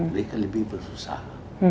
mereka lebih bersusah